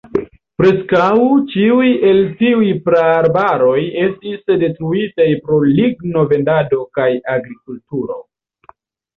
Preskaŭ ĉiuj el tiuj praarbaroj estis detruitaj pro ligno-vendado kaj agrikulturo.